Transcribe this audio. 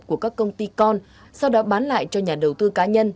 của các công ty con sau đó bán lại cho nhà đầu tư cá nhân